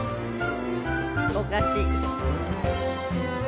おかしい。